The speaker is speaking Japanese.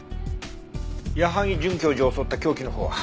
矢萩准教授を襲った凶器のほうは？